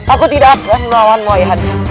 aku tidak akan melawanmu ayahanda